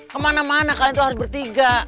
kemana mana kalian tuh harus bertiga